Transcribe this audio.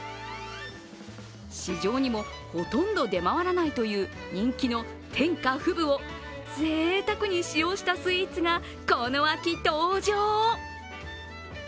市場にもほとんど出回らないという人気の天下富舞をぜいたくに使用したスイーツが、この秋、登場。